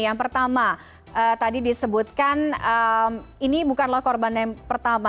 yang pertama tadi disebutkan ini bukanlah korban yang pertama